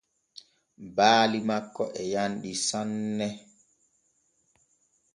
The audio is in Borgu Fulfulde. Baali makko e yanɗi sane.